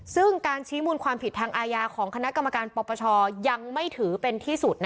ซึ่งการชี้มูลความผิดทางอาญาของคณะกรรมการปปชยังไม่ถือเป็นที่สุด